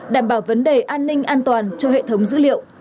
đảm bảo vấn đề an ninh an toàn cho hệ thống dữ liệu